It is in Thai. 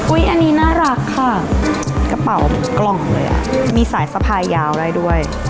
อันนี้น่ารักค่ะกระเป๋ากล่องเลยอ่ะมีสายสะพายยาวได้ด้วย